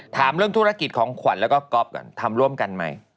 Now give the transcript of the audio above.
ถามเรื่องธุรกิจของขวัญแล้วก็ก๊อฟก่อนทำร่วมกันไหม